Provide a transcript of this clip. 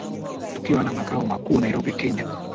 Tukiwa na Makao Makuu Nairobi Kenya